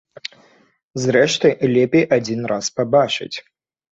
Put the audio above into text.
Зрэшты, лепей адзін раз пабачыць.